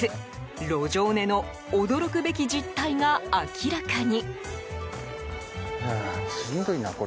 路上寝の驚くべき実態が明らかに。